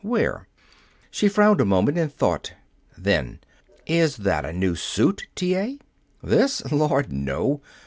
Where? She frowned a moment in thought. Then: "Is that a new suit, T. A.?" "This? Lord, no!